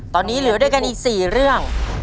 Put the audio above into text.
ตอนนี้เหลือด้วยกันอีก๔เรื่อง